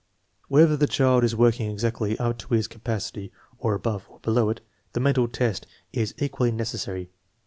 Whether the child is working exactly up to his ca pacity, or above or below it, the mental test is equally necessary.